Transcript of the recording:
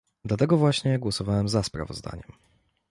Dlatego właśnie głosowałem za sprawozdaniem